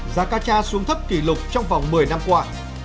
giá ca tra xuống thấp kỷ lục trong vòng một mươi năm qua